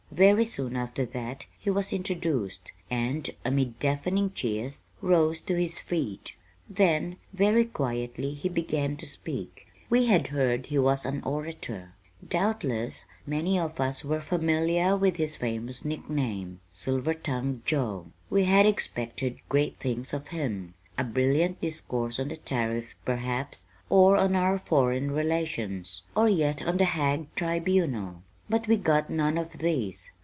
Very soon after that he was introduced, and, amid deafening cheers, rose to his feet. Then, very quietly, he began to speak. We had heard he was an orator. Doubtless many of us were familiar with his famous nickname "Silver tongued Joe." We had expected great things of him a brilliant discourse on the tariff, perhaps, or on our foreign relations, or yet on the Hague Tribunal. But we got none of these.